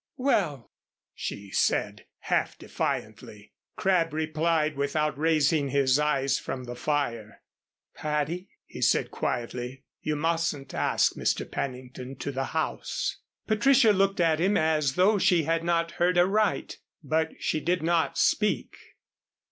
"Well," she said, half defiantly. Crabb replied without raising his eyes from the fire. "Patty," he said quietly, "you mustn't ask Mr. Pennington to the house." Patricia looked at him as though she had not heard aright. But she did not speak.